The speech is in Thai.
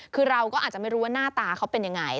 คือเราก็อาจจะไม่รู้ว่าหน้าตาเขาเป็นยังไง